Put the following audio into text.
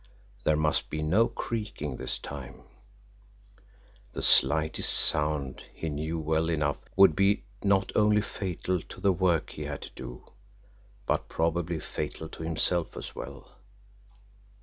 There must be no creaking this time the slightest sound, he knew well enough, would be not only fatal to the work he had to do, but probably fatal to himself as well.